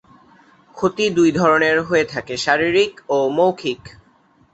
ক্ষতি দুই ধরনের হয়ে থাকে- শারিরীক ও মৌখিক।